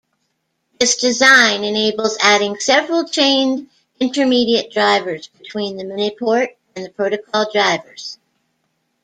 This design enables adding several chained intermediate drivers between the miniport and protocol drivers.